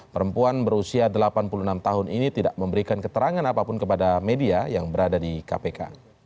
perempuan berusia delapan puluh enam tahun ini tidak memberikan keterangan apapun kepada media yang berada di kpk